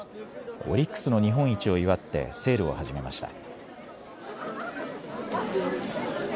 オリックスの日本一を祝ってセールを始めました。